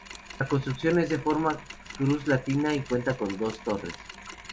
La construcción es de forma cruz latina y cuenta con dos torres.